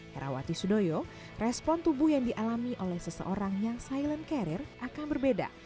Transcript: herawati sudoyo respon tubuh yang dialami oleh seseorang yang silent carrier akan berbeda